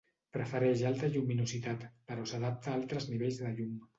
Prefereix alta lluminositat, però s'adapta a altres nivells de llum.